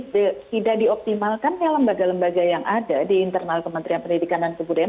tidak dioptimalkannya lembaga lembaga yang ada di internal kementerian pendidikan dan kebudayaan